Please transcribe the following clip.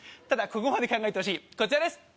ただここまで考えてほしいこちらです